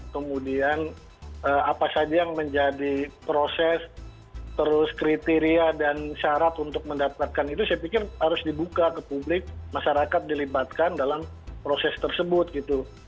kemudian apa saja yang menjadi proses terus kriteria dan syarat untuk mendapatkan itu saya pikir harus dibuka ke publik masyarakat dilibatkan dalam proses tersebut gitu